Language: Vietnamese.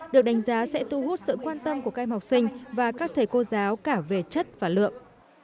được đánh giá sẽ tu hút sự quan tâm của các em học sinh và các thầy cô giáo cả về chất và lượng